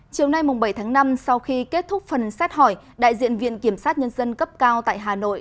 chiều nay bảy tháng năm sau khi kết thúc phần xét hỏi đại diện viện kiểm sát nhân dân cấp cao tại hà nội